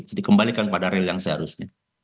jadi kembalikan pada real yang seharusnya